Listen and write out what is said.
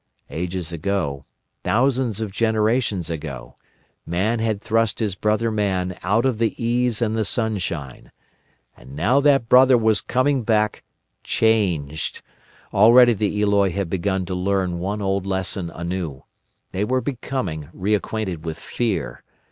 Ages ago, thousands of generations ago, man had thrust his brother man out of the ease and the sunshine. And now that brother was coming back—changed! Already the Eloi had begun to learn one old lesson anew. They were becoming reacquainted with Fear.